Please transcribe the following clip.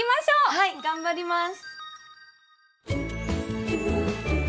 はい頑張ります！